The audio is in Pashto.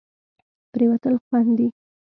پرېوتل خوند دی.